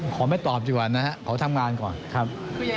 ขอไม่ตอบดีกว่านะครับขอทำงานก่อนครับ